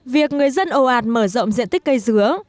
việc người dân ồ ạt mở rộng diện tích cây dứa